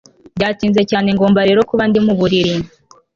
Byatinze cyane ngomba rero kuba ndi muburiri